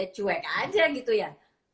cuek aja gitu ya